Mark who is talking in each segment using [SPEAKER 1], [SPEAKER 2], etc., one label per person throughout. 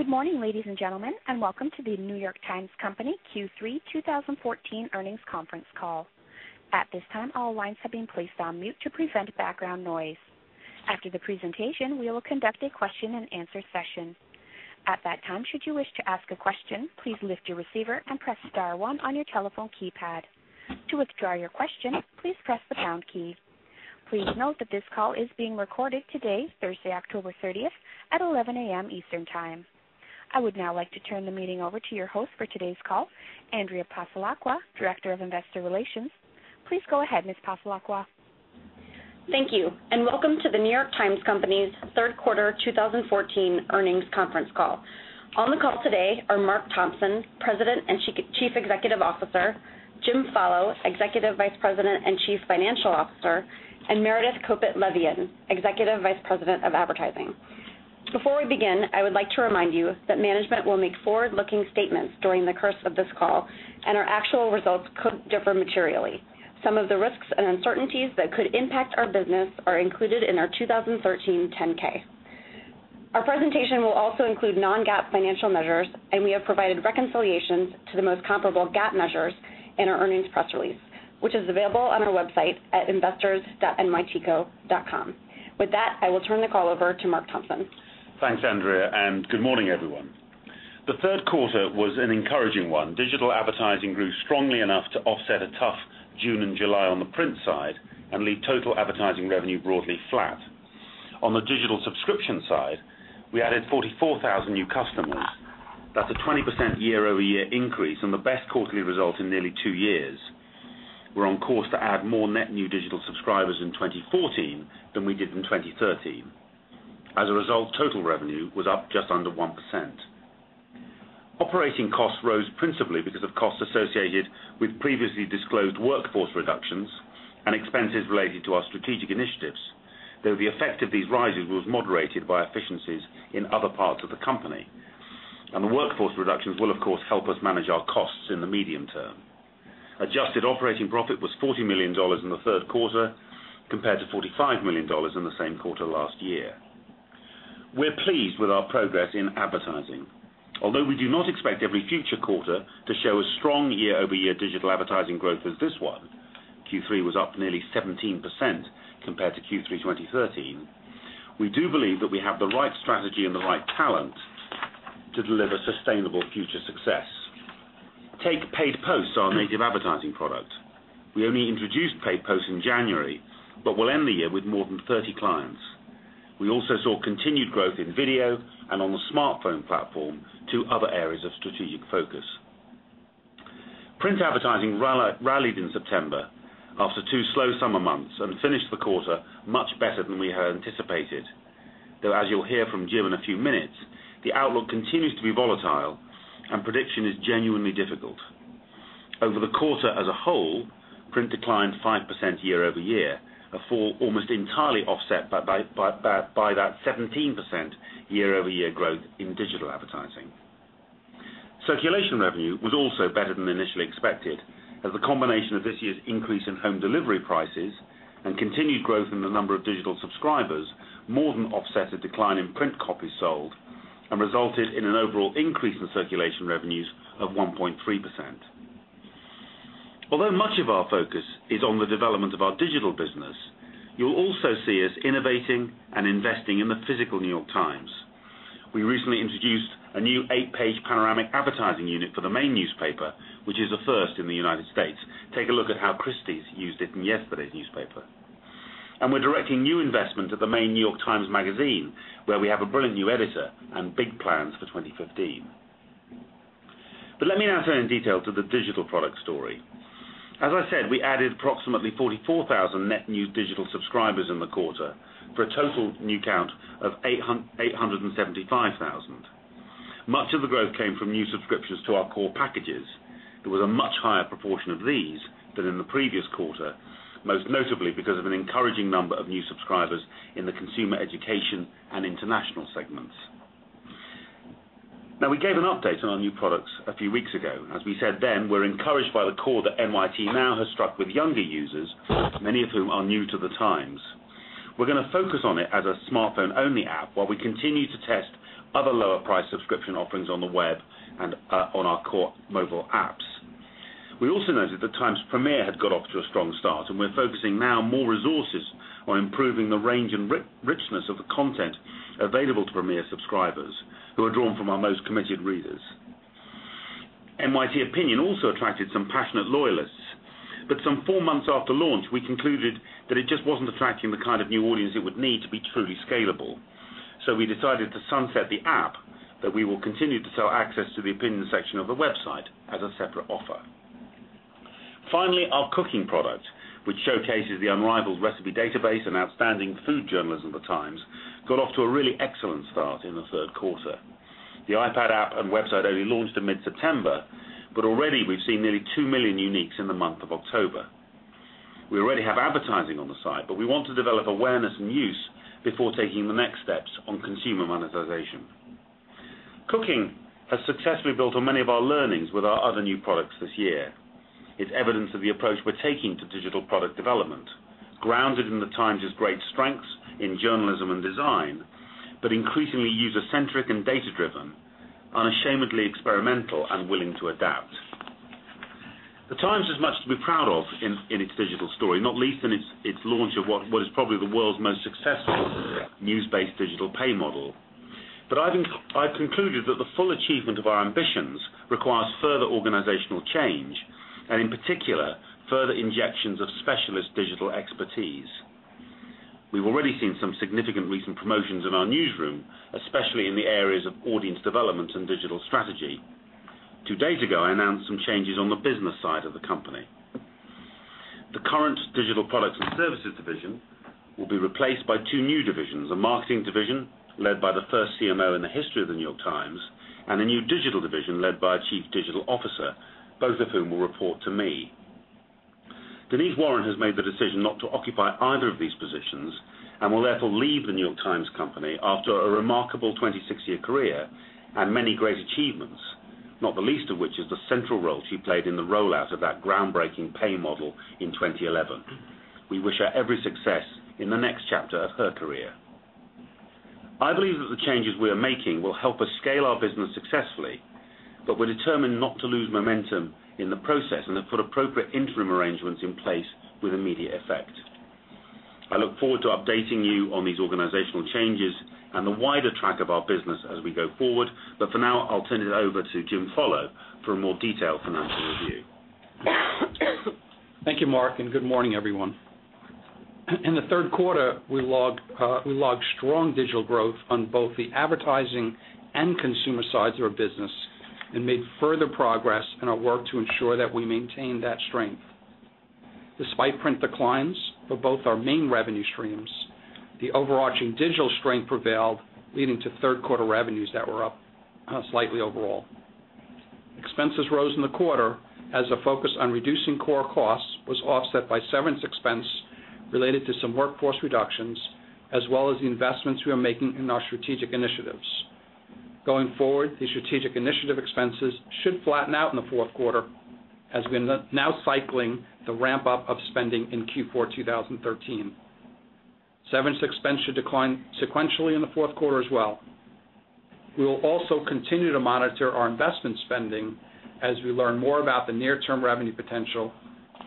[SPEAKER 1] Good morning, ladies and gentlemen, and welcome to The New York Times Company Q3 2014 Earnings Conference Call. At this time, all lines have been placed on mute to prevent background noise. After the presentation, we will conduct a question and answer session. At that time, should you wish to ask a question, please lift your receiver and press star one on your telephone keypad. To withdraw your question, please press the pound key. Please note that this call is being recorded today, Thursday, October 30th, at 11:00 A.M. Eastern Time. I would now like to turn the meeting over to your host for today's call, Andrea Passalacqua, Director of Investor Relations. Please go ahead, Ms. Passalacqua.
[SPEAKER 2] Thank you, and welcome to The New York Times Company's Third Quarter 2014 Earnings Conference Call. On the call today are Mark Thompson, President and Chief Executive Officer, Jim Follo, Executive Vice President and Chief Financial Officer, and Meredith Kopit Levien, Executive Vice President of Advertising. Before we begin, I would like to remind you that management will make forward-looking statements during the course of this call, and our actual results could differ materially. Some of the risks and uncertainties that could impact our business are included in our 2013 10-K. Our presentation will also include non-GAAP financial measures, and we have provided reconciliations to the most comparable GAAP measures in our earnings press release, which is available on our website at investors.nytco.com. With that, I will turn the call over to Mark Thompson.
[SPEAKER 3] Thanks, Andrea, and good morning, everyone. The third quarter was an encouraging one. Digital advertising grew strongly enough to offset a tough June and July on the print side and leave total advertising revenue broadly flat. On the digital subscription side, we added 44,000 new customers. That's a 20% year-over-year increase and the best quarterly result in nearly two years. We're on course to add more net new digital subscribers in 2014 than we did in 2013. As a result, total revenue was up just under 1%. Operating costs rose principally because of costs associated with previously disclosed workforce reductions and expenses related to our strategic initiatives, though the effect of these rises was moderated by efficiencies in other parts of the company. The workforce reductions will of course help us manage our costs in the medium term. Adjusted operating profit was $40 million in the third quarter, compared to $45 million in the same quarter last year. We're pleased with our progress in advertising. Although we do not expect every future quarter to show a strong year-over-year digital advertising growth as this one, Q3 was up nearly 17% compared to Q3 2013. We do believe that we have the right strategy and the right talent to deliver sustainable future success. Take Paid Posts, our native advertising product. We only introduced Paid Posts in January, but we'll end the year with more than 30 clients. We also saw continued growth in video and on the smartphone platform, two other areas of strategic focus. Print advertising rallied in September after two slow summer months and finished the quarter much better than we had anticipated. Though as you'll hear from Jim in a few minutes, the outlook continues to be volatile, and prediction is genuinely difficult. Over the quarter as a whole, print declined 5% year-over-year, a fall almost entirely offset by that 17% year-over-year growth in digital advertising. Circulation revenue was also better than initially expected as the combination of this year's increase in home delivery prices and continued growth in the number of digital subscribers more than offset a decline in print copies sold and resulted in an overall increase in circulation revenues of 1.3%. Although much of our focus is on the development of our digital business, you'll also see us innovating and investing in the physical New York Times. We recently introduced a new eight-page panoramic advertising unit for the main newspaper, which is a first in the United States. Take a look at how Christie's used it in yesterday's newspaper. We're directing new investment at The New York Times Magazine, where we have a brilliant new editor and big plans for 2015. Let me now turn in detail to the digital product story. As I said, we added approximately 44,000 net new digital subscribers in the quarter, for a total new count of 875,000. Much of the growth came from new subscriptions to our core packages, with a much higher proportion of these than in the previous quarter, most notably because of an encouraging number of new subscribers in the consumer education and international segments. Now, we gave an update on our new products a few weeks ago. As we said then, we're encouraged by the chord that NYT Now has struck with younger users, many of whom are new to The Times. We're going to focus on it as a smartphone-only app while we continue to test other lower-priced subscription offerings on the web and on our core mobile apps. We also noted that Times Premier had got off to a strong start, and we're focusing now more resources on improving the range and richness of the content available to Premier subscribers, who are drawn from our most committed readers. NYT Opinion also attracted some passionate loyalists, but some four months after launch, we concluded that it just wasn't attracting the kind of new audience it would need to be truly scalable. We decided to sunset the app, but we will continue to sell access to the opinion section of the website as a separate offer. Finally, our Cooking product, which showcases the unrivaled recipe database and outstanding food journalism at The Times, got off to a really excellent start in the third quarter. The iPad app and website only launched in mid-September, but already we've seen nearly 2 million uniques in the month of October. We already have advertising on the site, but we want to develop awareness and use before taking the next steps on consumer monetization. Cooking has successfully built on many of our learnings with our other new products this year. It's evidence of the approach we're taking to digital product development, grounded in the Times' great strengths in journalism and design, but increasingly user-centric and data-driven, unashamedly experimental and willing to adapt. The Times has much to be proud of in its digital story, not least in its launch of what is probably the world's most successful news-based digital pay model. I've concluded that the full achievement of our ambitions requires further organizational change, and in particular, further injections of specialist digital expertise. We've already seen some significant recent promotions in our newsroom, especially in the areas of audience development and digital strategy. Two days ago, I announced some changes on the business side of the company. The current digital products and services division will be replaced by two new divisions, a marketing division led by the first CMO in the history of The New York Times, and a new digital division led by a chief digital officer, both of whom will report to me. Denise Warren has made the decision not to occupy either of these positions and will therefore leave The New York Times Company after a remarkable 26-year career and many great achievements, not the least of which is the central role she played in the rollout of that groundbreaking pay model in 2011. We wish her every success in the next chapter of her career. I believe that the changes we are making will help us scale our business successfully, but we're determined not to lose momentum in the process and have put appropriate interim arrangements in place with immediate effect. I look forward to updating you on these organizational changes and the wider track of our business as we go forward. For now, I'll turn it over to Jim Follo for a more detailed financial review.
[SPEAKER 4] Thank you, Mark, and good morning, everyone. In the third quarter, we logged strong digital growth on both the advertising and consumer sides of our business and made further progress in our work to ensure that we maintain that strength. Despite print declines for both our main revenue streams, the overarching digital strength prevailed, leading to third-quarter revenues that were up slightly overall. Expenses rose in the quarter as the focus on reducing core costs was offset by severance expense related to some workforce reductions, as well as the investments we are making in our strategic initiatives. Going forward, the strategic initiative expenses should flatten out in the fourth quarter as we're now cycling the ramp-up of spending in Q4 2013. Severance expense should decline sequentially in the fourth quarter as well. We will also continue to monitor our investment spending as we learn more about the near-term revenue potential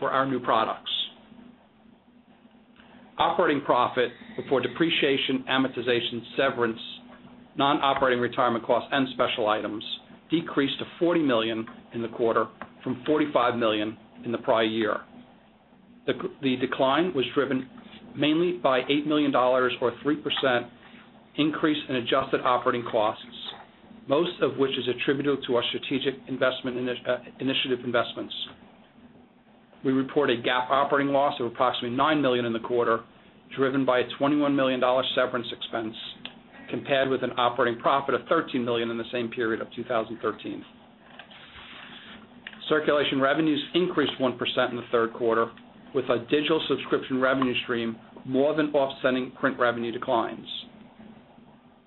[SPEAKER 4] for our new products. Operating profit before depreciation, amortization, severance, non-operating retirement costs, and special items decreased to $40 million in the quarter from $45 million in the prior year. The decline was driven mainly by $8 million or 3% increase in adjusted operating costs, most of which is attributable to our strategic initiative investments. We reported GAAP operating loss of approximately $9 million in the quarter, driven by a $21 million severance expense, compared with an operating profit of $13 million in the same period of 2013. Circulation revenues increased 1% in the third quarter, with a digital subscription revenue stream more than offsetting print revenue declines.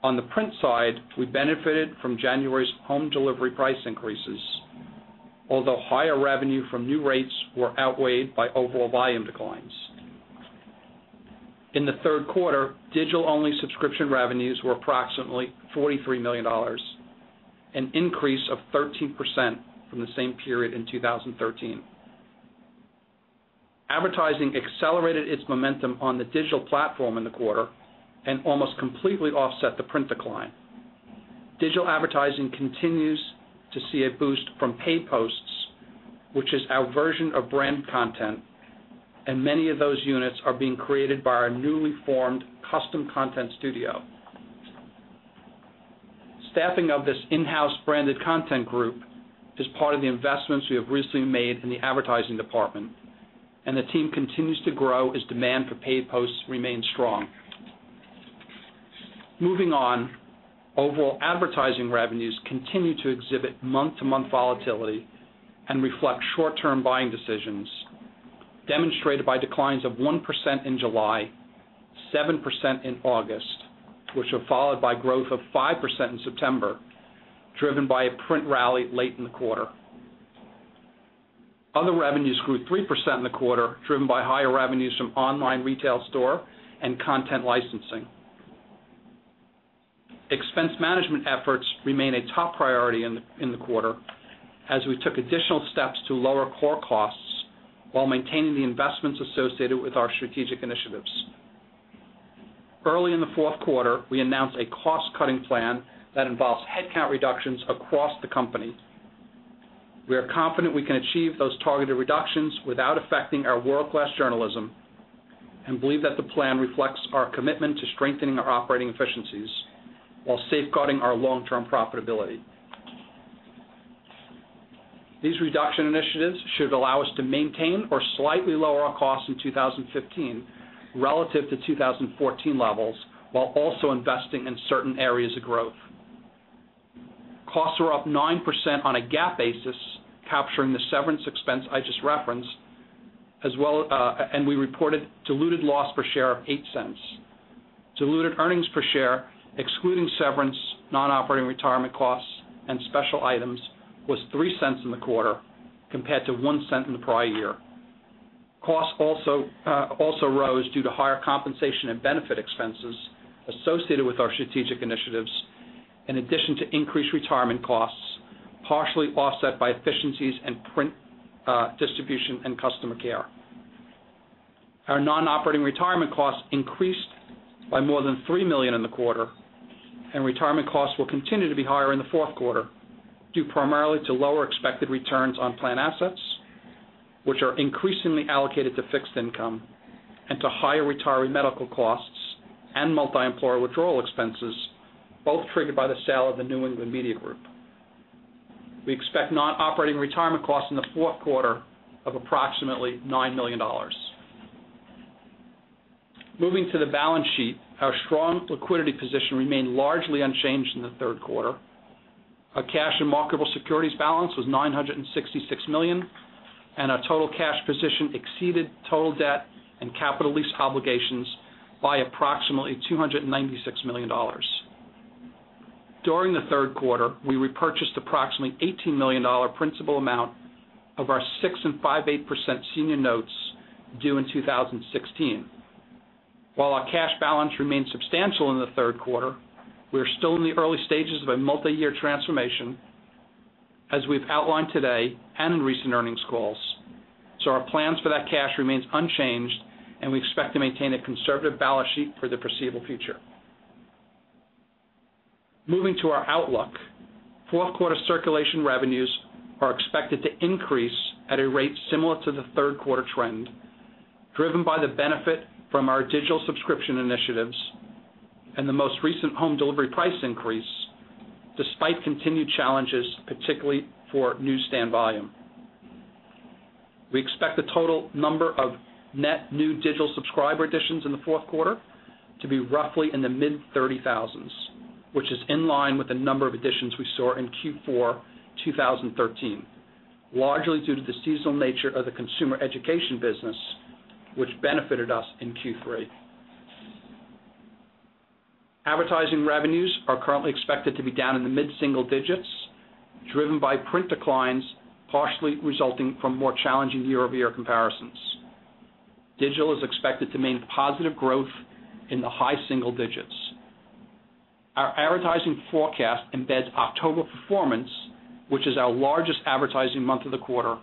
[SPEAKER 4] On the print side, we benefited from January's home delivery price increases, although higher revenue from new rates were outweighed by overall volume declines. In the third quarter, digital-only subscription revenues were approximately $43 million, an increase of 13% from the same period in 2013. Advertising accelerated its momentum on the digital platform in the quarter and almost completely offset the print decline. Digital advertising continues to see a boost from Paid Posts, which is our version of brand content, and many of those units are being created by our newly formed custom content studio. Staffing of this in-house branded content group is part of the investments we have recently made in the advertising department, and the team continues to grow as demand for Paid Posts remains strong. Moving on, overall advertising revenues continue to exhibit month-to-month volatility and reflect short-term buying decisions, demonstrated by declines of 1% in July, 7% in August, which were followed by growth of 5% in September, driven by a print rally late in the quarter. Other revenues grew 3% in the quarter, driven by higher revenues from online retail store and content licensing. Expense management efforts remain a top priority in the quarter as we took additional steps to lower core costs while maintaining the investments associated with our strategic initiatives. Early in the fourth quarter, we announced a cost-cutting plan that involves headcount reductions across the company. We are confident we can achieve those targeted reductions without affecting our world-class journalism and believe that the plan reflects our commitment to strengthening our operating efficiencies while safeguarding our long-term profitability. These reduction initiatives should allow us to maintain or slightly lower our costs in 2015 relative to 2014 levels while also investing in certain areas of growth. Costs are up 9% on a GAAP basis, capturing the severance expense I just referenced, and we reported diluted loss per share of $0.08. Diluted earnings per share, excluding severance, non-operating retirement costs, and special items, was $0.03 in the quarter compared to $0.01 in the prior year. Costs also rose due to higher compensation and benefit expenses associated with our strategic initiatives, in addition to increased retirement costs, partially offset by efficiencies in print distribution and customer care. Our non-operating retirement costs increased by more than $3 million in the quarter, and retirement costs will continue to be higher in the fourth quarter, due primarily to lower expected returns on plan assets, which are increasingly allocated to fixed income, and to higher retiree medical costs and multi-employer withdrawal expenses, both triggered by the sale of the New England Media Group. We expect non-operating retirement costs in the fourth quarter of approximately $9 million. Moving to the balance sheet, our strong liquidity position remained largely unchanged in the third quarter. Our cash and marketable securities balance was $966 million, and our total cash position exceeded total debt and capital lease obligations by approximately $296 million. During the third quarter, we repurchased approximately $18 million principal amount of our 6% and 5.8% senior notes due in 2016. While our cash balance remained substantial in the third quarter, we are still in the early stages of a multiyear transformation, as we've outlined today and in recent earnings calls. Our plans for that cash remain unchanged, and we expect to maintain a conservative balance sheet for the foreseeable future. Moving to our outlook, fourth quarter circulation revenues are expected to increase at a rate similar to the third quarter trend, driven by the benefit from our digital subscription initiatives and the most recent home delivery price increase, despite continued challenges, particularly for newsstand volume. We expect the total number of net new digital subscriber additions in the fourth quarter to be roughly in the mid-30,000s, which is in line with the number of additions we saw in Q4 2013, largely due to the seasonal nature of the consumer education business, which benefited us in Q3. Advertising revenues are currently expected to be down in the mid-single digits, driven by print declines, partially resulting from more challenging year-over-year comparisons. Digital is expected to maintain positive growth in the high single digits. Our advertising forecast embeds October performance, which is our largest advertising month of the quarter,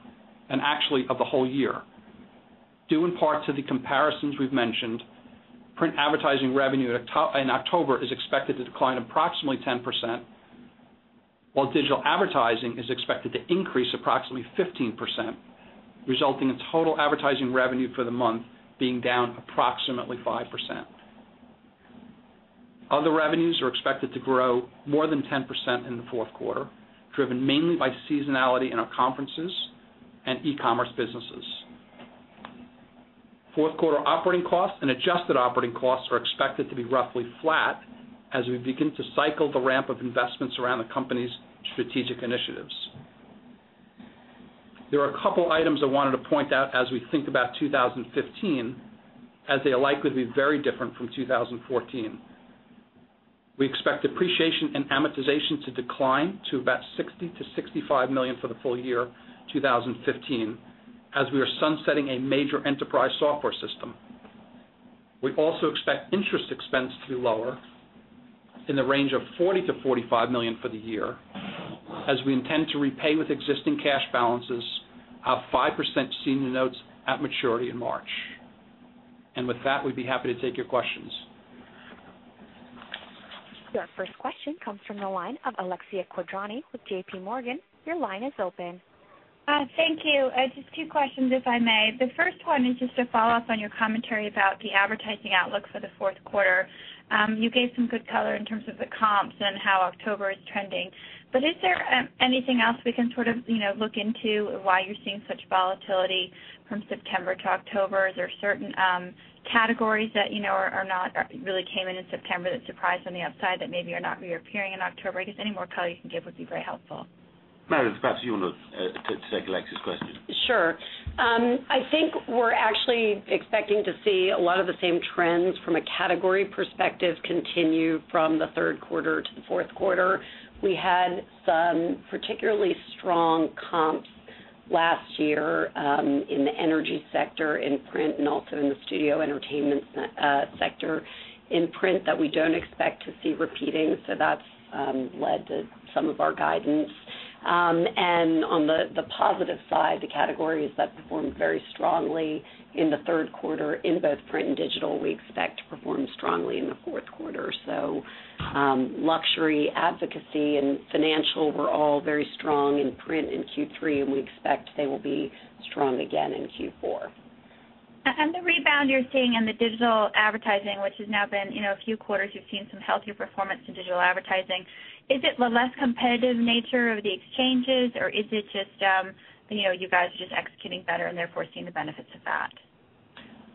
[SPEAKER 4] and actually, of the whole year. Due in part to the comparisons we've mentioned, print advertising revenue in October is expected to decline approximately 10%, while digital advertising is expected to increase approximately 15%, resulting in total advertising revenue for the month being down approximately 5%. Other revenues are expected to grow more than 10% in the fourth quarter, driven mainly by seasonality in our conferences and e-commerce businesses. Fourth quarter operating costs and adjusted operating costs are expected to be roughly flat as we begin to cycle the ramp of investments around the company's strategic initiatives. There are a couple items I wanted to point out as we think about 2015, as they are likely to be very different from 2014. We expect depreciation and amortization to decline to about $60 million-$65 million for the full year 2015, as we are sunsetting a major enterprise software system. We also expect interest expense to be lower in the range of $40 million-$45 million for the year, as we intend to repay with existing cash balances our 5% senior notes at maturity in March. With that, we'd be happy to take your questions.
[SPEAKER 1] Your first question comes from the line of Alexia Quadrani with JPMorgan. Your line is open.
[SPEAKER 5] Thank you. Just two questions, if I may. The first one is just a follow-up on your commentary about the advertising outlook for the fourth quarter. You gave some good color in terms of the comps and how October is trending, but is there anything else we can sort of look into why you're seeing such volatility from September to October? Is there certain categories that you know are not really came in in September that surprised on the upside that maybe are not reappearing in October? I guess any more color you can give would be very helpful.
[SPEAKER 4] Mere, perhaps you want to take Alexia's question.
[SPEAKER 6] Sure. I think we're actually expecting to see a lot of the same trends from a category perspective continue from the third quarter to the fourth quarter. We had some particularly strong comps last year in the energy sector- in print and also in the studio entertainment sector in print that we don't expect to see repeating, so that's led to some of our guidance. On the positive side, the categories that performed very strongly in the third quarter in both print and digital, we expect to perform strongly in the fourth quarter. Luxury, advocacy, and financial were all very strong in print in Q3, and we expect they will be strong again in Q4.
[SPEAKER 5] The rebound you're seeing in the digital advertising, which has now been a few quarters- you've seen some healthier performance in digital advertising. Is it the less competitive nature of the exchanges, or is it just you guys are executing better and therefore seeing the benefits of that?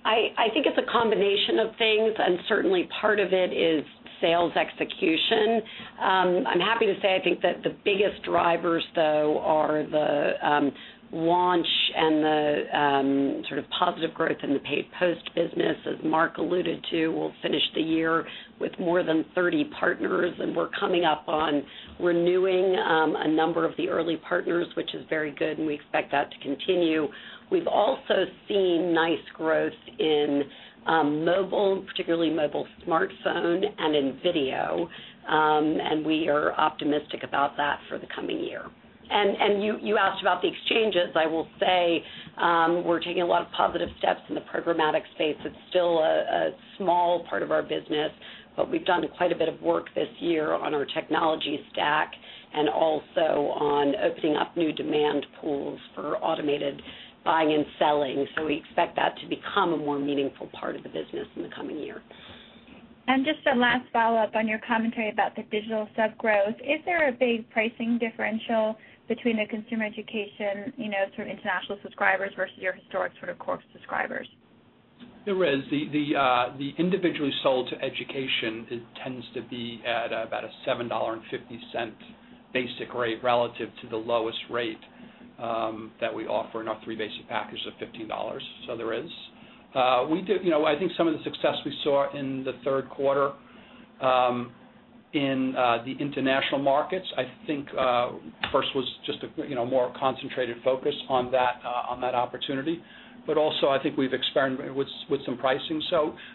[SPEAKER 6] I think it's a combination of things, and certainly part of it is sales execution. I'm happy to say, I think that the biggest drivers though are the launch and the positive growth in the Paid Posts business. As Mark alluded to, we'll finish the year with more than 30 partners, and we're coming up on renewing a number of the early partners, which is very good, and we expect that to continue. We've also seen nice growth in mobile, particularly mobile smartphone and in video, and we are optimistic about that for the coming year. You asked about the exchanges. I will say, we're taking a lot of positive steps in the programmatic space. It's still a small part of our business, but we've done quite a bit of work this year on our technology stack and also on opening up new demand pools for automated buying and selling. We expect that to become a more meaningful part of the business in the coming year.
[SPEAKER 5] Just a last follow-up on your commentary about the digital sub growth. Is there a big pricing differential between the consumer education, international subscribers versus your historic core subscribers?
[SPEAKER 4] There is. The individually sold to education, it tends to be at about a $7.50 basic rate relative to the lowest rate that we offer in our three basic package of $15. There is. I think some of the success we saw in the third quarter in the international markets, I think first was just a more concentrated focus on that opportunity. I think we've experimented with some pricing.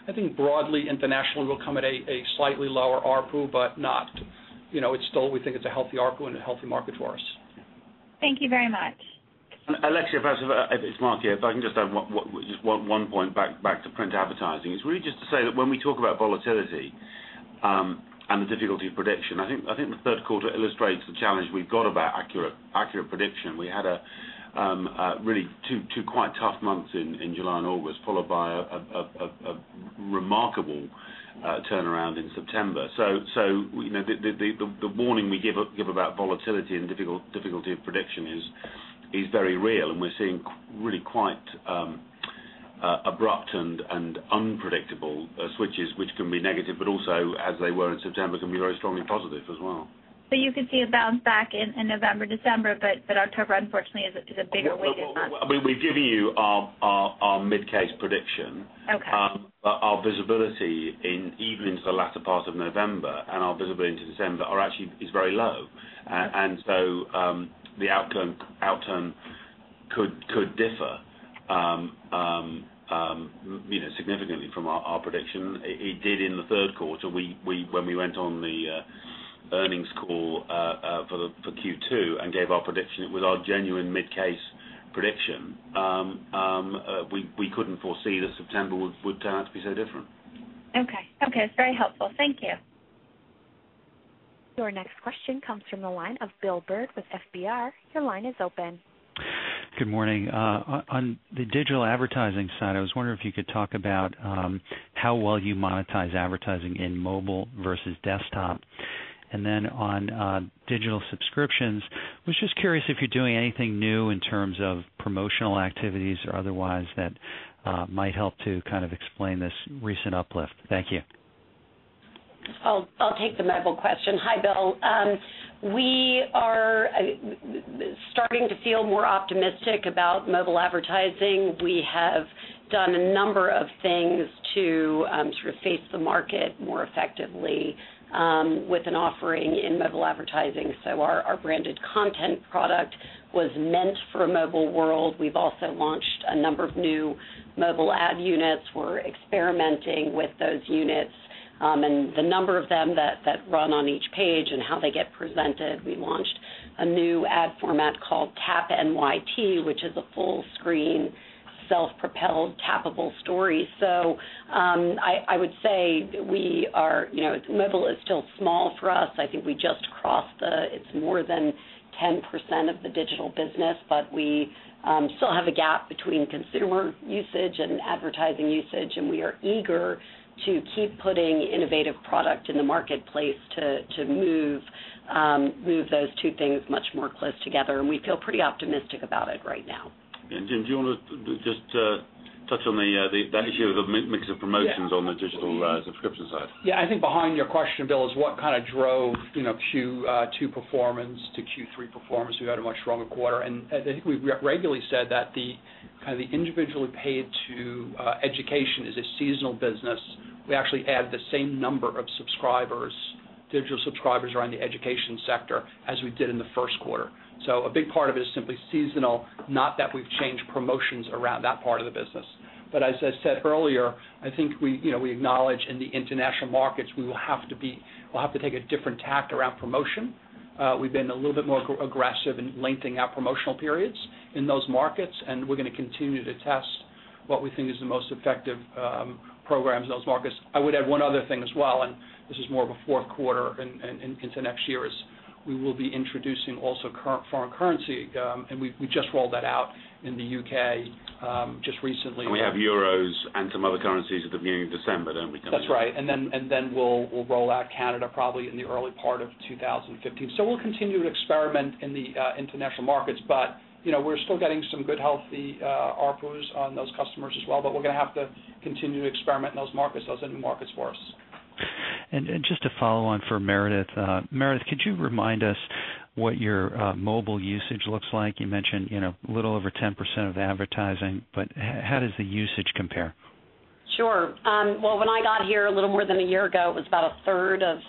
[SPEAKER 4] I think broadly international will come at a slightly lower ARPU, but not- it's still, we think it's a healthy ARPU and a healthy market for us.
[SPEAKER 5] Thank you very much.
[SPEAKER 3] Alexia, it's Mark here. If I can just add one point back to print advertising. It's really just to say that when we talk about volatility and the difficulty of prediction, I think the third quarter illustrates the challenge we've got about accurate prediction. We had really two quite tough months in July and August, followed by a remarkable turnaround in September. The warning we give about volatility and difficulty of prediction is very real, and we're seeing really quite abrupt and unpredictable switches which can be negative, but also as they were in September, can be very strongly positive as well.
[SPEAKER 5] You could see a bounce back in November, December, but October unfortunately is a bigger weighted month.
[SPEAKER 3] We've given you our mid case prediction.
[SPEAKER 5] Okay.
[SPEAKER 3] Our visibility even into the latter part of November and our visibility into December is very low. The outturn could differ significantly from our prediction. It did in the third quarter. When we went on the earnings call for Q2 and gave our prediction, it was our genuine mid case prediction. We couldn't foresee that September would turn out to be so different.
[SPEAKER 5] Okay. It's very helpful. Thank you.
[SPEAKER 1] Your next question comes from the line of Bill Bird with FBR. Your line is open.
[SPEAKER 7] Good morning. On the digital advertising side, I was wondering if you could talk about how well you monetize advertising in mobile versus desktop. On digital subscriptions, I was just curious if you're doing anything new in terms of promotional activities or otherwise that might help to explain this recent uplift. Thank you.
[SPEAKER 6] I'll take the mobile question. Hi, Bill. We are starting to feel more optimistic about mobile advertising. We have done a number of things to face the market more effectively with an offering in mobile advertising. Our branded content product was meant for a mobile world. We've also launched a number of new mobile ad units. We're experimenting with those units, and the number of them that run on each page and how they get presented. We launched a new ad format called TapNYT, which is a full-screen, self-propelled tappable story. I would say mobile is still small for us. I think we just crossed 10% of the digital business, but we still have a gap between consumer usage and advertising usage, and we are eager to keep putting innovative product in the marketplace to move those two things much more close together. We feel pretty optimistic about it right now.
[SPEAKER 3] Jim, do you want to just touch on the issue of mix of promotions on the digital subscription side?
[SPEAKER 4] Yeah. I think behind your question, Bill, is what drove Q2 performance to Q3 performance. We had a much stronger quarter, and I think we've regularly said that the individually paid to education is a seasonal business. We actually add the same number of subscribers, digital subscribers around the education sector, as we did in the first quarter. A big part of it is simply seasonal, not that we've changed promotions around that part of the business. As I said earlier, I think we acknowledge in the international markets, we'll have to take a different tack around promotion. We've been a little bit more aggressive in lengthening our promotional periods in those markets, and we're going to continue to test what we think is the most effective programs in those markets. I would add one other thing as well, and this is more of a fourth quarter and into next year, is we will be introducing also current foreign currency. We just rolled that out in the U.K. just recently.
[SPEAKER 3] We have euros and some other currencies at the beginning of December, don't we, coming on?
[SPEAKER 4] That's right. Then we'll roll out Canada probably in the early part of 2015. We'll continue to experiment in the international markets, but we're still getting some good, healthy ARPUs on those customers as well. We're going to have to continue to experiment in those markets. Those are new markets for us.
[SPEAKER 7] Just a follow-on for Meredith. Meredith, could you remind us what your mobile usage looks like? You mentioned a little over 10% of advertising, but how does the usage compare?
[SPEAKER 6] Sure. Well, when I got here a little more than a year ago, it was about a third of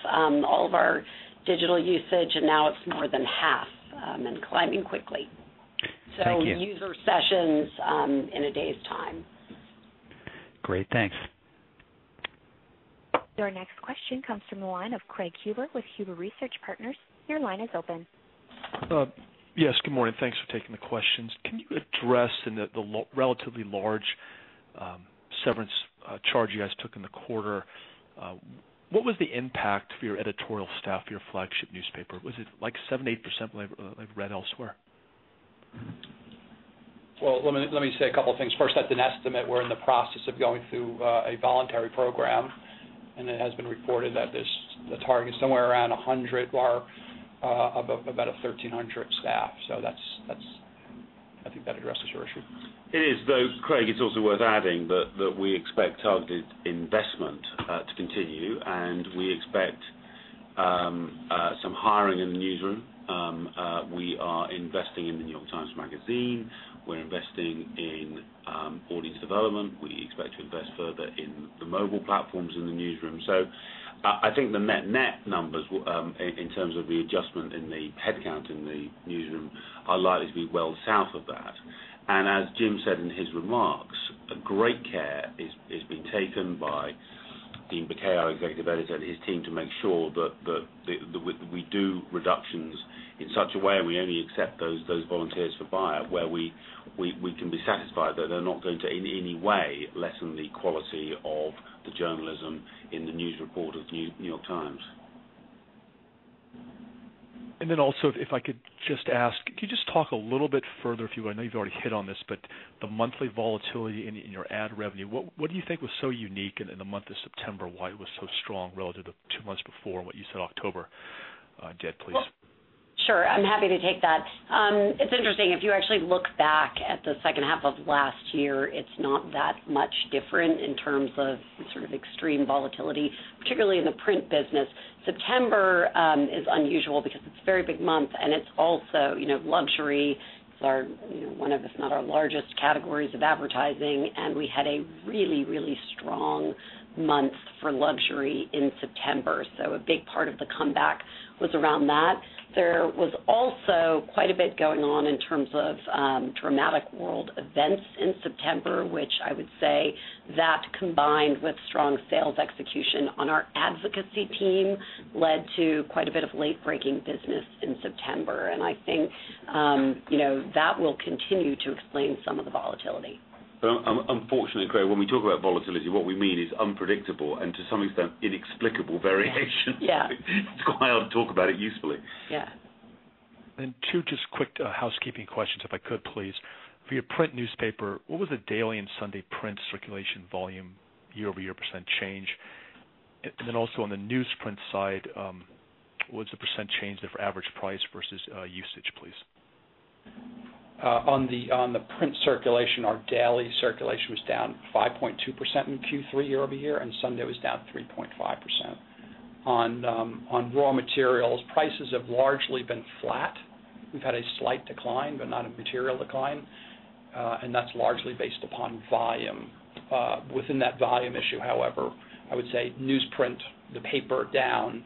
[SPEAKER 6] all of our digital usage, and now it's more than half and climbing quickly.
[SPEAKER 7] Thank you.
[SPEAKER 6] User sessions in a day's time.
[SPEAKER 7] Great. Thanks.
[SPEAKER 1] Your next question comes from the line of Craig Huber with Huber Research Partners. Your line is open.
[SPEAKER 8] Yes, good morning. Thanks for taking the questions. Can you address the relatively large severance charge you guys took in the quarter? What was the impact for your editorial staff, your flagship newspaper? Was it like 7%, 8% like I've read elsewhere?
[SPEAKER 4] Well, let me say a couple of things. First, that's an estimate. We're in the process of going through a voluntary program, and it has been reported that the target is somewhere around 100 of about 1,300 staff. I think that addresses your issue.
[SPEAKER 3] It is, though, Craig, it's also worth adding that we expect targeted investment to continue, and we expect some hiring in the newsroom. We are investing in "The New York Times Magazine." We're investing in audience development. We expect to invest further in the mobile platforms in the newsroom. So I think the net numbers in terms of the adjustment in the headcount in the newsroom are likely to be well south of that. As Jim said in his remarks, great care is being taken by Dean Baquet, our Executive Editor, and his team to make sure that we do reductions in such a way, and we only accept those volunteers for buyout where we can be satisfied that they're not going to in any way lessen the quality of the journalism in the news report of "The New York Times.
[SPEAKER 8] If I could just ask, could you just talk a little bit further, if you would? I know you've already hit on this, but the monthly volatility in your ad revenue, what do you think was so unique in the month of September, why it was so strong relative to two months before and what you said October, Meredith, please?
[SPEAKER 6] Sure. I'm happy to take that. It's interesting if you actually look back at the second half of last year, it's not that much different in terms of sort of extreme volatility, particularly in the print business. September is unusual because it's a very big month, and it's also, luxury is one of, if not our largest categories of advertising, and we had a really strong month for luxury in September. A big part of the comeback was around that. There was also quite a bit going on in terms of dramatic world events in September, which I would say that combined with strong sales execution on our advocacy team led to quite a bit of late-breaking business in September. I think that will continue to explain some of the volatility.
[SPEAKER 3] Unfortunately, Craig, when we talk about volatility, what we mean is unpredictable and to some extent inexplicable variations.
[SPEAKER 6] Yeah.
[SPEAKER 3] It's quite hard to talk about it usefully.
[SPEAKER 6] Yeah.
[SPEAKER 8] Two just quick housekeeping questions, if I could please. For your print newspaper, what was the daily and Sunday print circulation volume year-over-year percent change? Then also on the newsprint side, what's the percent change there for average price versus usage, please?
[SPEAKER 4] On the print circulation, our daily circulation was down 5.2% in Q3 year-over-year, and Sunday was down 3.5%. On raw materials, prices have largely been flat. We've had a slight decline, but not a material decline, and that's largely based upon volume. Within that volume issue, however, I would say newsprint, the paper down,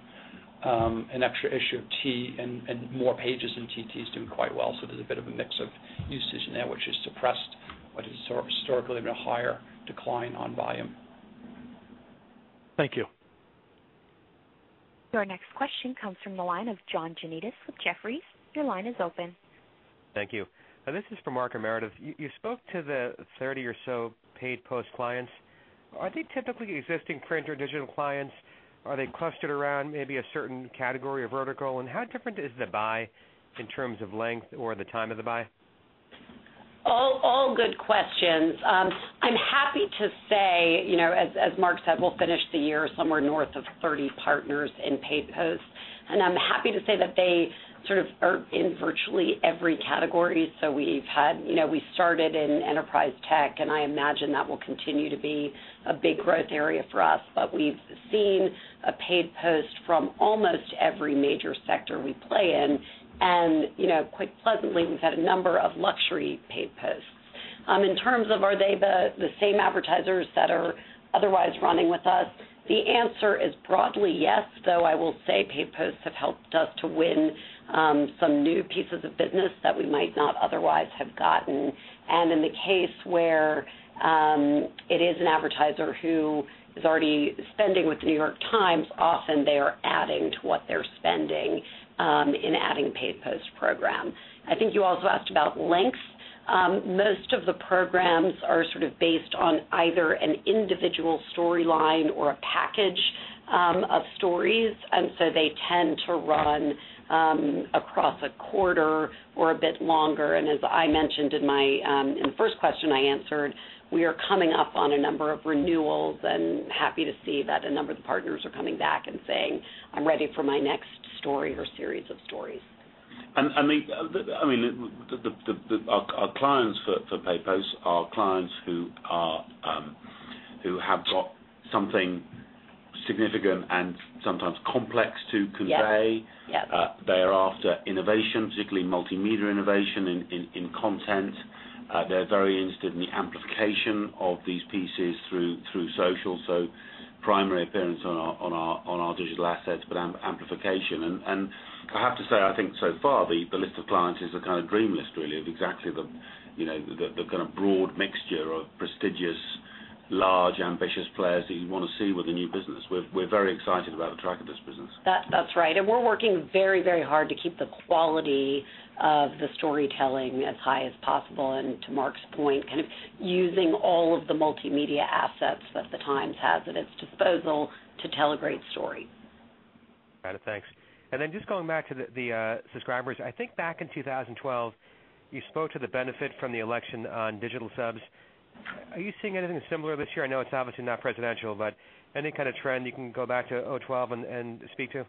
[SPEAKER 4] an extra issue of T and more pages in TT is doing quite well. There's a bit of a mix of usage in there, which has suppressed what has historically been a higher decline on volume.
[SPEAKER 8] Thank you.
[SPEAKER 1] Your next question comes from the line of John Janedis with Jefferies. Your line is open.
[SPEAKER 9] Thank you. This is for Mark and Meredith. You spoke to the 30 or so Paid Post clients. Are they typically existing print or digital clients? Are they clustered around maybe a certain category or vertical? How different is the buy in terms of length or the time of the buy?
[SPEAKER 6] All good questions. I'm happy to say, as Mark said, we'll finish the year somewhere north of 30 partners in Paid Posts. I'm happy to say that they sort of are in virtually every category. We started in enterprise tech, and I imagine that will continue to be a big growth area for us. We've seen a Paid Post from almost every major sector we play in. Quite pleasantly, we've had a number of luxury Paid Posts. In terms of, are they the same advertisers that are otherwise running with us? The answer is broadly yes, though I will say Paid Posts have helped us to win some new pieces of business that we might not otherwise have gotten. In the case where it is an advertiser who is already spending with "The New York Times", often they are adding to what they're spending in adding a Paid Posts program. I think you also asked about length. Most of the programs are sort of based on either an individual storyline or a package of stories. As I mentioned in the first question I answered, we are coming up on a number of renewals and happy to see that a number of the partners are coming back and saying, "I'm ready for my next story or series of stories."
[SPEAKER 3] Our clients for Paid Posts are clients who have got something significant and sometimes complex to convey.
[SPEAKER 6] Yes.
[SPEAKER 3] They are after innovation, particularly multimedia innovation in content. They're very interested in the amplification of these pieces through social. Primary appearance on our digital assets, but amplification. I have to say, I think so far, the list of clients is a kind of dream list really, of exactly the kind of broad mixture of prestigious, large, ambitious players that you want to see with a new business. We're very excited about the track of this business.
[SPEAKER 6] That's right. We're working very hard to keep the quality of the storytelling as high as possible, and to Mark's point, kind of using all of the multimedia assets that the Times has at its disposal to tell a great story.
[SPEAKER 9] Got it, thanks. Just going back to the subscribers, I think back in 2012, you spoke to the benefit from the election on digital subs. Are you seeing anything similar this year? I know it's obviously not presidential, but any kind of trend you can go back to 2012 and speak to?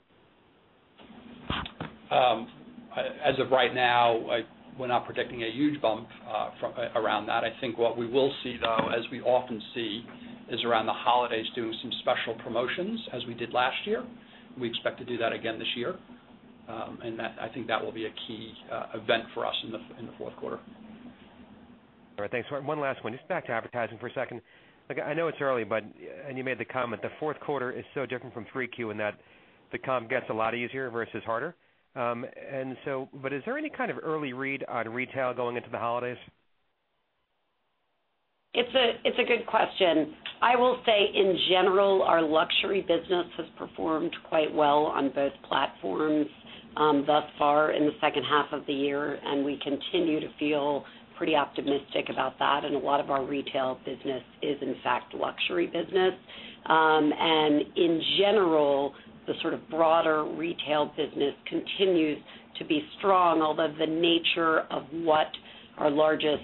[SPEAKER 4] As of right now, we're not predicting a huge bump around that. I think what we will see, though, as we often see- is around the holidays, doing some special promotions as we did last year. We expect to do that again this year. I think that will be a key event for us in the fourth quarter.
[SPEAKER 9] All right. Thanks. One last one, just back to advertising for a second. Look, I know it's early, and you made the comment, the fourth quarter is so different from 3Q in that the comp gets a lot easier versus harder. Is there any kind of early read on retail going into the holidays?
[SPEAKER 6] It's a good question. I will say, in general, our luxury business has performed quite well on both platforms thus far in the second half of the year, and we continue to feel pretty optimistic about that, and a lot of our retail business is, in fact, luxury business. In general, the sort of broader retail business continues to be strong, although the nature of what our largest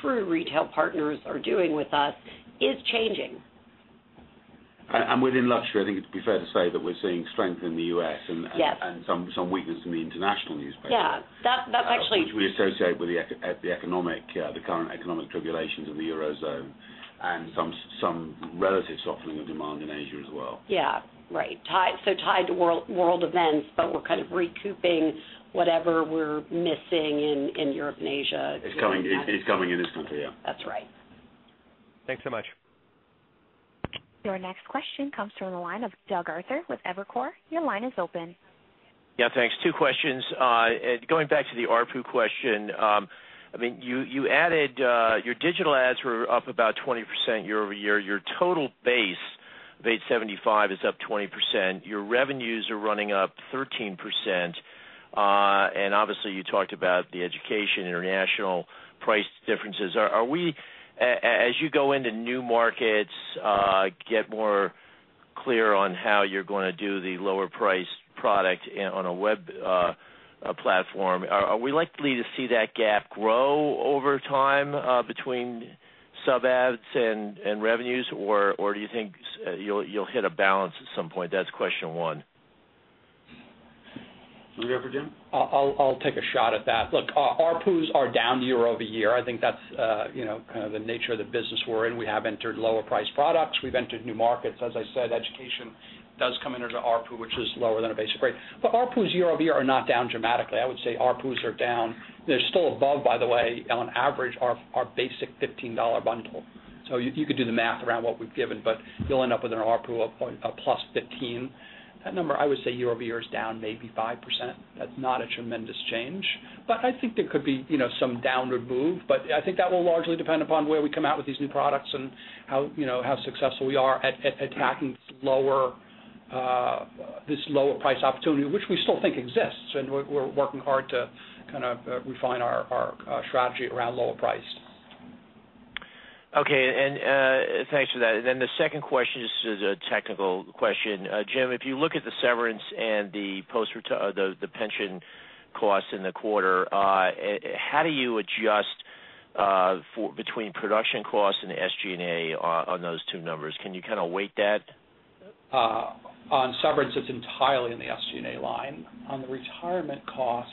[SPEAKER 6] true retail partners are doing with us is changing.
[SPEAKER 3] Within luxury, I think it'd be fair to say that we're seeing strength in the U.S....
[SPEAKER 6] Yes.
[SPEAKER 3] ....some weakness in the international newspapers-
[SPEAKER 6] Yeah. That's actually-
[SPEAKER 3] Which we associate with the current economic tribulations of the Eurozone and some relative softening of demand in Asia as well.
[SPEAKER 6] Yeah. Right. Tied to world events, but we're kind of recouping whatever we're missing in Europe and Asia.
[SPEAKER 3] It's coming in this country, yeah.
[SPEAKER 6] That's right.
[SPEAKER 9] Thanks so much.
[SPEAKER 1] Your next question comes from the line of Doug Arthur with Evercore. Your line is open.
[SPEAKER 10] Yeah, thanks. Two questions. Going back to the ARPU question. You added your digital ads were up about 20% year-over-year. Your total base of 875 is up 20%. Your revenues are running up 13%. Obviously, you talked about the education, international price differences. As you go into new markets, get more clarity on how you're going to do the lower-priced product on a web platform, are we likely to see that gap grow over time between subs and ads and revenues, or do you think you'll hit a balance at some point? That's question one.
[SPEAKER 3] Would you go for it, Jim?
[SPEAKER 4] I'll take a shot at that. Look, ARPUs are down year-over-year. I think that's kind of the nature of the business we're in. We have entered lower priced products. We've entered new markets. As I said, education does come into the ARPU, which is lower than a basic rate. But ARPUs year-over-year are not down dramatically. I would say ARPUs are down. They're still above, by the way, on average, our basic $15 bundle. You could do the math around what we've given, but you'll end up with an ARPU of plus $15. That number, I would say year-over-year is down maybe 5%. That's not a tremendous change. I think there could be some downward move, but I think that will largely depend upon where we come out with these new products and how successful we are at attacking this lower price opportunity, which we still think exists, and we're working hard to kind of refine our strategy around lower price.
[SPEAKER 10] Okay. Thanks for that. The second question, this is a technical question. Jim, if you look at the severance and the pension costs in the quarter, how do you adjust between production costs and the SG&A on those two numbers? Can you kind of weight that?
[SPEAKER 4] On severance, it's entirely in the SG&A line. On the retirement cost,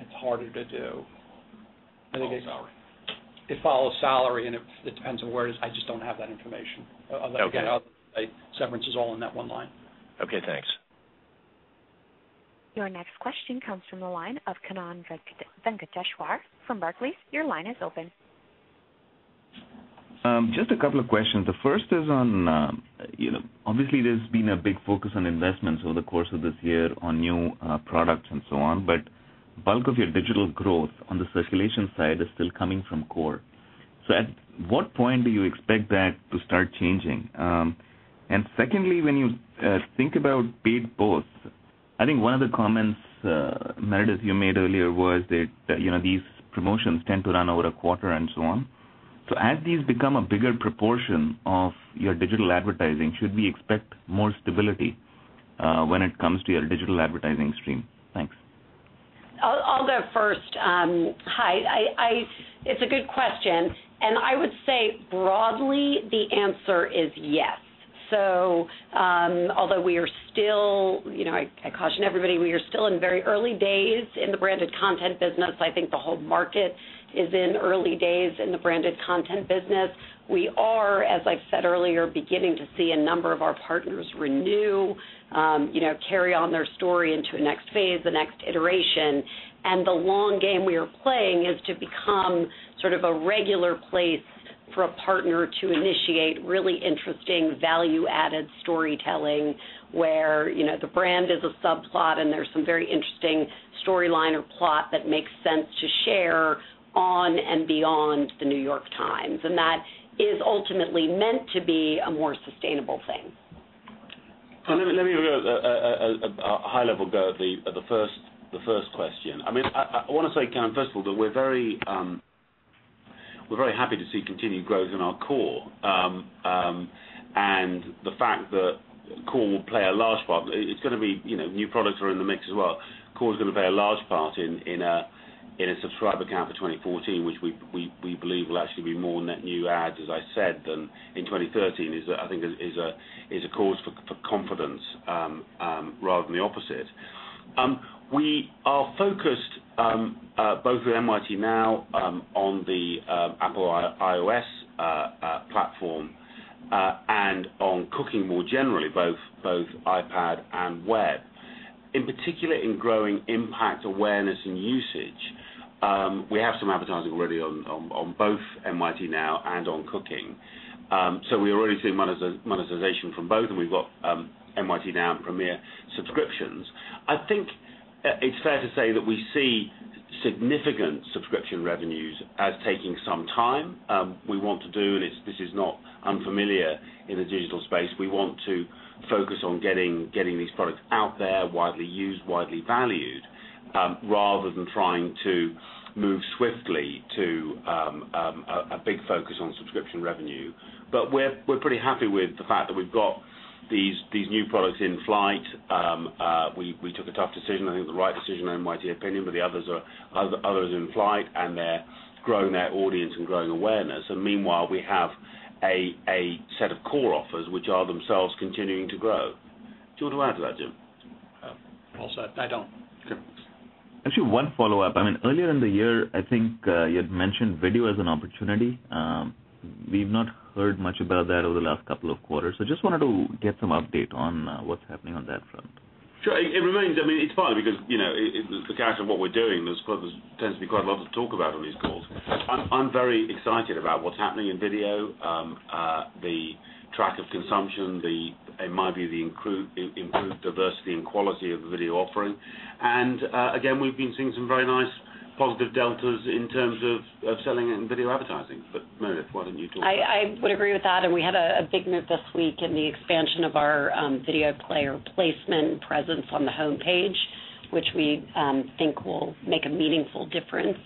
[SPEAKER 4] it's harder to do. It follows salary, and it depends on where it is. I just don't have that information.
[SPEAKER 10] Okay.
[SPEAKER 4] Severance is all in that one line.
[SPEAKER 10] Okay, thanks.
[SPEAKER 1] Your next question comes from the line of Kannan Venkateshwar from Barclays. Your line is open.
[SPEAKER 11] Just a couple of questions. The first is on, obviously, there's been a big focus on investments over the course of this year on new products and so on, but the bulk of your digital growth on the circulation side is still coming from core. So at what point do you expect that to start changing? And secondly, when you think about Paid Posts, I think one of the comments, Meredith, you made earlier was that these promotions tend to run over a quarter and so on. So as these become a bigger proportion of your digital advertising, should we expect more stability when it comes to your digital advertising stream? Thanks.
[SPEAKER 6] I'll go first. Hi. It's a good question. Broadly, the answer is yes. Although I caution everybody, we are still in very early days in the branded content business. I think the whole market is in early days in the branded content business. We are, as I said earlier, beginning to see a number of our partners renew- carry on their story into a next phase, the next iteration. The long game we are playing is to become sort of a regular place for a partner to initiate really interesting value-added storytelling, where the brand is a subplot, and there's some very interesting storyline or plot that makes sense to share on and beyond "The New York Times." That is ultimately meant to be a more sustainable thing.
[SPEAKER 3] Let me give a high-level go at the first question. I want to say, Kannan, first of all, that we're very happy to see continued growth in our core. The fact that core will play a large part, new products are in the mix as well. Core is going to play a large part in a subscriber count for 2014, which we believe will actually be more net new adds, as I said, than in 2013, is, I think, a cause for confidence rather than the opposite. We are focused, both with NYT Now on the Apple iOS platform and on Cooking more generally, both iPad and web. In particular, in growing impact awareness and usage, we have some advertising already on both NYT Now and on Cooking. We're already seeing monetization from both, and we've got NYT Now, Premier subscriptions. I think it's fair to say that we see significant subscription revenues as taking some time. We want to do, and this is not unfamiliar in the digital space, we want to focus on getting these products out there, widely used, widely valued, rather than trying to move swiftly to a big focus on subscription revenue. We're pretty happy with the fact that we've got these new products in flight. We took a tough decision, I think the right decision on NYT Opinion, but the others are in flight, and they're growing their audience and growing awareness. Meanwhile, we have a set of core offers which are themselves continuing to grow. Do you want to add to that, Jim?
[SPEAKER 4] Also, I don't.
[SPEAKER 3] Okay.
[SPEAKER 11] Actually, one follow-up. Earlier in the year, I think you had mentioned video as an opportunity. We've not heard much about that over the last couple of quarters. Just wanted to get some update on what's happening on that front.
[SPEAKER 3] Sure. It's funny because the character of what we're doing, there tends to be quite a lot to talk about on these calls. I'm very excited about what's happening in video, the track of consumption, in my view, the improved diversity and quality of the video offering. And again, we've been seeing some very nice positive deltas in terms of selling in video advertising. Meredith, why don't you talk about it?
[SPEAKER 6] I would agree with that. We had a big move this week in the expansion of our video player placement presence on the homepage, which we think will make a meaningful difference.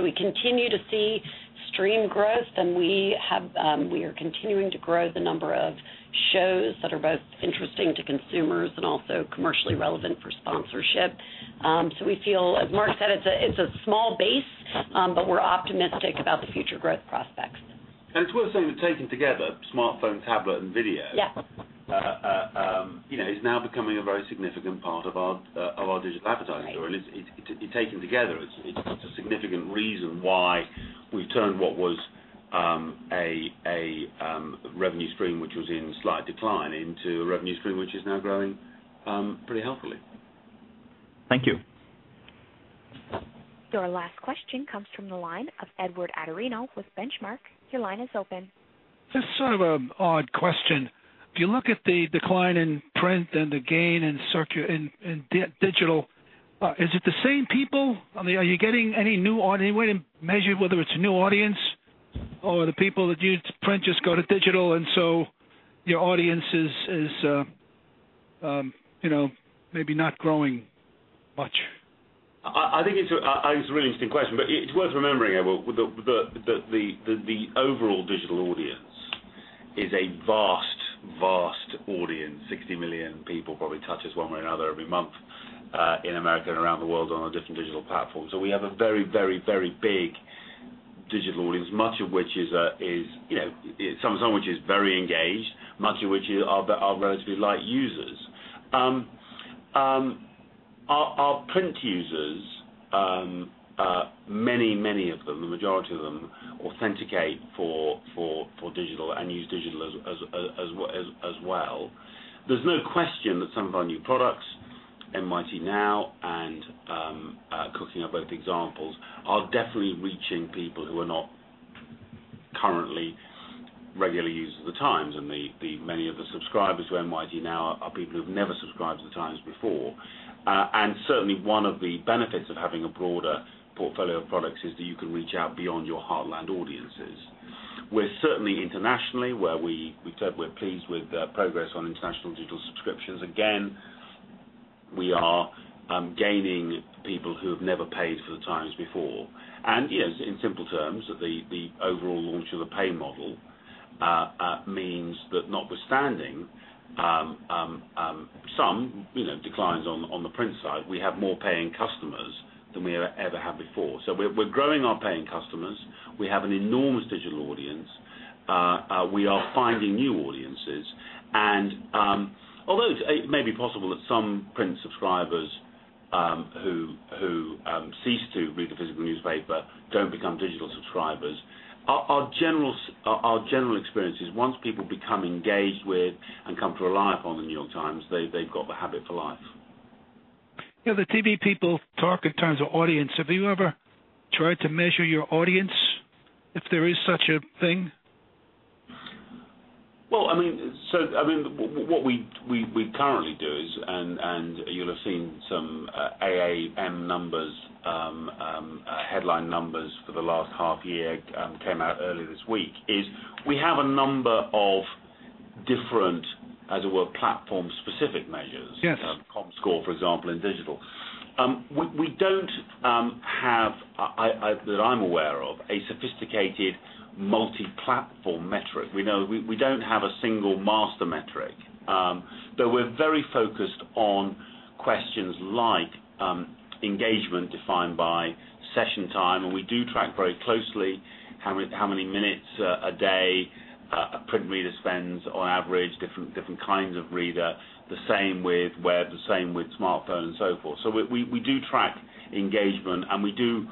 [SPEAKER 6] We continue to see stream growth, and we are continuing to grow the number of shows that are both interesting to consumers and also commercially relevant for sponsorship. We feel, as Mark said, it's a small base, but we're optimistic about the future growth prospects.
[SPEAKER 3] It's worth saying that taken together, smartphone, tablet, and video...
[SPEAKER 6] Yeah
[SPEAKER 3] ...is now becoming a very significant part of our digital advertising story.
[SPEAKER 6] Right.
[SPEAKER 3] Taken together, it's a significant reason why we've turned what was a revenue stream which was in slight decline into a revenue stream which is now growing pretty healthily.
[SPEAKER 11] Thank you.
[SPEAKER 1] Your last question comes from the line of Edward Atorino with Benchmark. Your line is open.
[SPEAKER 12] Just sort of an odd question. If you look at the decline in print and the gain in digital, is it the same people? Are you getting any new audience? Is there a way to measure whether it's a new audience or the people that used print just go to digital, and so your audience is maybe not growing much.
[SPEAKER 3] It's a really interesting question, but it's worth remembering, Edward, that the overall digital audience is a vast audience- 60 million people probably touch us one way or another every month in America and around the world on our different digital platforms. We have a very big digital audience, some of which is very engaged, much of which are relatively light users. Our print users, many of them, the majority of them, authenticate for digital and use digital as well. There's no question that some of our new products, NYT Now and Cooking, are both examples, are definitely reaching people who are not currently regular users of "The Times" and many of the subscribers who are NYT Now are people who've never subscribed to "The Times" before. Certainly, one of the benefits of having a broader portfolio of products is that you can reach out beyond your heartland audiences. We're certainly internationally, where we've said we're pleased with the progress on international digital subscriptions. Again, we are gaining people who have never paid for "The Times" before. Yes, in simple terms, the overall launch of a pay model means that notwithstanding some declines on the print side, we have more paying customers than we ever have before. We're growing our paying customers. We have an enormous digital audience. We are finding new audiences. Although it may be possible that some print subscribers who cease to read the physical newspaper don't become digital subscribers, our general experience is once people become engaged with and come to rely upon "The New York Times," they've got the habit for life.
[SPEAKER 12] Yeah. The TV people talk in terms of audience. Have you ever tried to measure your audience, if there is such a thing?
[SPEAKER 3] Well, what we currently do is, and you'll have seen some AAM numbers, headline numbers for the last half year, came out earlier this week, is we have a number of different, as it were, platform-specific measures.
[SPEAKER 12] Yes.
[SPEAKER 3] Comscore, for example, in digital. We don't have, that I'm aware of, a sophisticated multi-platform metric. We don't have a single master metric. We're very focused on questions like engagement defined by session time, and we do track very closely how many minutes a day a print reader spends on average, different kinds of reader. The same with web, the same with smartphone and so forth. We do track engagement, and we do,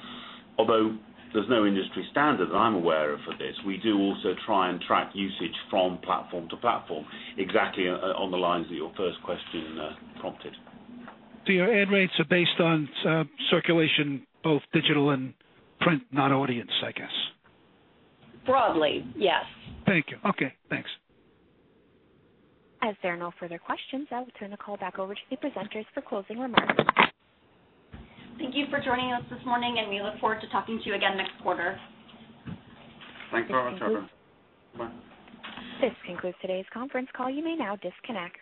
[SPEAKER 3] although there's no industry standard that I'm aware of for this, we do also try and track usage from platform to platform, exactly on the lines that your first question prompted.
[SPEAKER 12] Your ad rates are based on circulation, both digital and print, not audience, I guess?
[SPEAKER 6] Broadly, yes.
[SPEAKER 12] Thank you. Okay, thanks.
[SPEAKER 2] As there are no further questions, I will turn the call back over to the presenters for closing remarks. Thank you for joining us this morning, and we look forward to talking to you again next quarter.
[SPEAKER 3] Thanks for your time. Bye.
[SPEAKER 1] This concludes today's conference call. You may now disconnect.